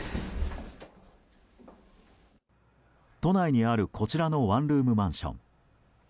都内にあるこちらのワンルームマンション。